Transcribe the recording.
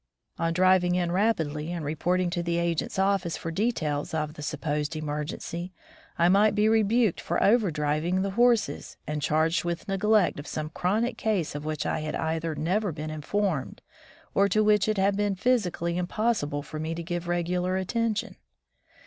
On driving in rapidly and reporting to the agent's oflSce for details of the supposed emergency, I might be re buked for overdriving the horses, and charged with neglect of some chronic case of which I had either never been informed, or to which it had been physically impossible for me to give regular attention.